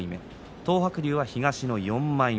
東白龍は東の４枚目。